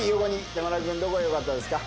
北村君のどこがよかったですか？